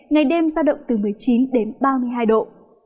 ngày đêm giao động từ một mươi chín đến ba mươi hai độ